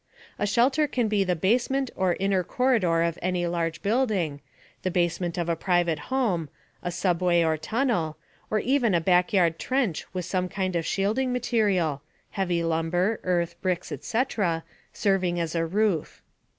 A shelter can be the basement or inner corridor of any large building; the basement of a private home; a subway or tunnel; or even a backyard trench with some kind of shielding material (heavy lumber, earth, bricks, etc.) serving as a roof.